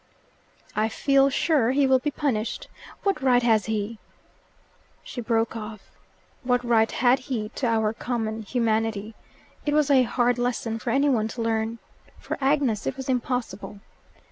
"I feel sure he will be punished. What right has he " She broke off. What right had he to our common humanity? It was a hard lesson for any one to learn. For Agnes it was impossible.